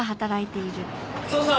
父さん！